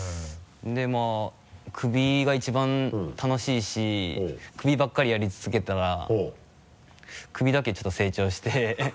でまぁ首が一番楽しいし首ばっかりやり続けてたら首だけちょっと成長して